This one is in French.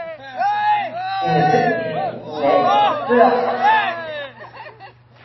Une petite fille naît peu après.